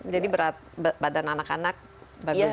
jadi berat badan anak anak bagus ya